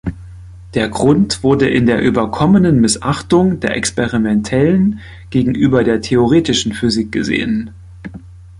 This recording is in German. Der Grund wurde in der überkommenen Missachtung der experimentellen gegenüber der theoretischen Physik gesehen.